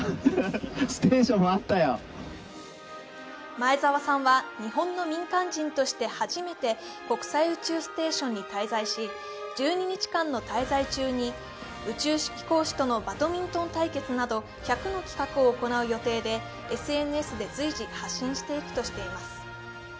前澤さんは日本の民間人として初めて国際宇宙ステーションに滞在し、１２日間の滞在中に宇宙飛行士とのバドミントン対決など１００の企画を行う予定で、ＳＮＳで随時発信していくとしています。